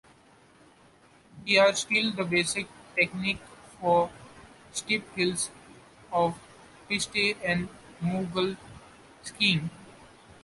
They are still the basic technique for steep hills, off piste and mogul skiing.